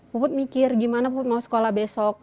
puput mikir gimana puput mau sekolah besok